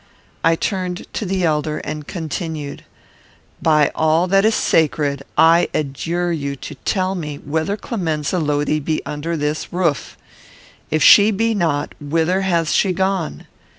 I turned to the elder, and continued, "By all that is sacred, I adjure you to tell me whether Clemenza Lodi be under this roof! If she be not, whither has she gone?